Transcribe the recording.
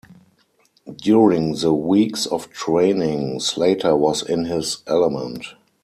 During the weeks of training, Slater was in his element.